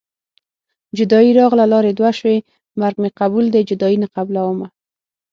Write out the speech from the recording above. جدايي راغله لارې دوه شوې مرګ مې قبول دی جدايي نه قبلومه